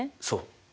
そう。